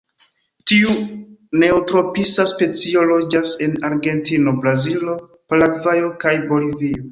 Tiu neotropisa specio loĝas en Argentino, Brazilo, Paragvajo kaj Bolivio.